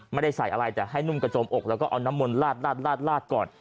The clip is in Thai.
ไม่ได้ใส่อะไรแต่ให้นุ่มกระจมอกแล้วก็เอาน้ำมนต์ลาดก่อน